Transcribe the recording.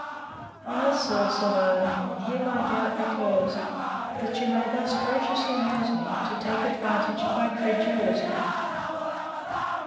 Ah, sir! said I, and here my doubt recurs, that you may thus graciously use me, to take advantage of my credulity.